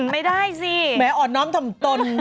ไม่ได้สิแม้อ่อนน้องทำตน